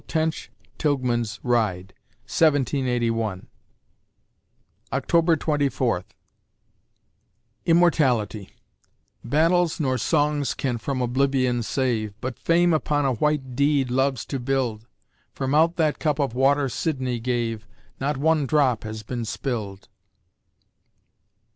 Tench Tilghman's ride, 1781_ October Twenty Fourth IMMORTALITY Battles nor songs can from Oblivion save, But Fame upon a white deed loves to build; From out that cup of water Sidney gave, Not one drop has been spilled.